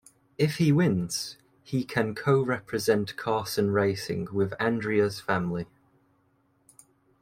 If he wins, he can co-represent Carson Racing with Andrea's family.